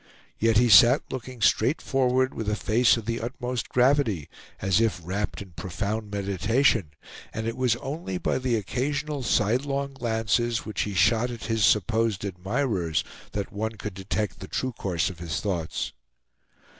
Yet he sat looking straight forward with a face of the utmost gravity, as if wrapped in profound meditation, and it was only by the occasional sidelong glances which he shot at his supposed admirers that one could detect the true course of his thoughts.